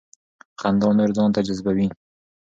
خندا نور ځان ته جذبوي.